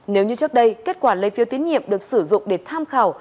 nếu như trước đây kết quả lấy phiêu tiến nhiệm được sử dụng để tham khảo